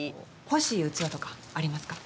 欲しい器とかありますか？